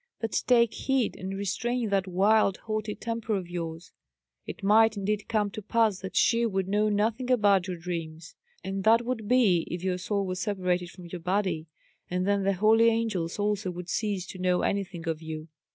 But take heed, and restrain that wild, haughty temper of yours. It might, indeed, come to pass that she would know nothing about your dreams, and that would be if your soul were separated from your body; and then the holy angels also would cease to know anything of you."